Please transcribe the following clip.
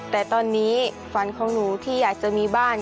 แต่ตอนนี้ฝันของหนูที่อยากจะมีบ้าน